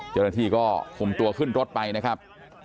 เจ้าหน้าที่ก็คุมตัวขึ้นรถไปนะครับ